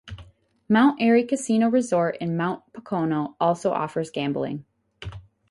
Mount Airy Casino Resort in Mount Pocono also offers gambling.